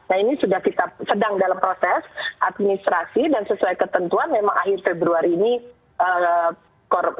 nah ini sudah kita sedang dalam proses administrasi dan sesuai ketentuan memang akhir februari ini